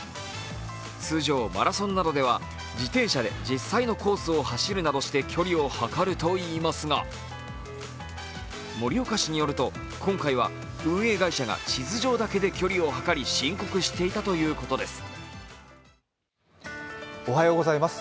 通常、マラソンなどでは自転車で実際のコースを走るなどして距離を測るといいますが盛岡市によると、今回は運営会社が地図上だけで距離を測り申告していたということです。